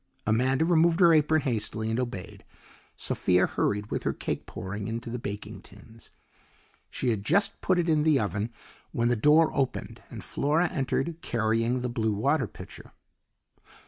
Amanda removed her apron hastily and obeyed. Sophia hurried with her cake, pouring it into the baking tins. She had just put it in the oven, when the door opened and Flora entered carrying the blue water pitcher.